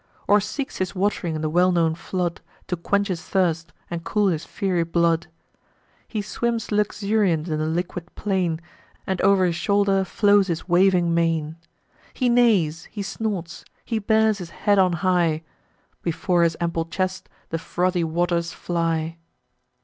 Or seeks his wat'ring in the well known flood, To quench his thirst, and cool his fiery blood: He swims luxuriant in the liquid plain, And o'er his shoulder flows his waving mane: He neighs, he snorts, he bears his head on high; Before his ample chest the frothy waters fly.